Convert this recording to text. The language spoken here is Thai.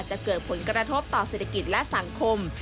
จะเกิดผลกระทบต่อเศรษฐกิจและสังคม